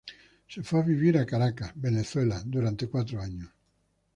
Se fue a vivir a Caracas, Venezuela, por cuatro años.